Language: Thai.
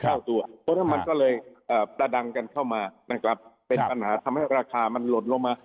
เพราะฉะนั้นมันก็เลยประดังกันเข้ามานะครับเป็นปัญหาทำให้ราคามันหลดลงมา